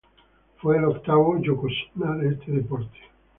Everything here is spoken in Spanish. Fue el octavo "yokozuna" de este deporte.